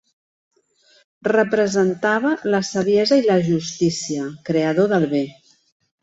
Representava la saviesa i la justícia, creador del bé.